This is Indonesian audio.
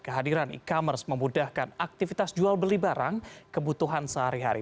kehadiran e commerce memudahkan aktivitas jual beli barang kebutuhan sehari hari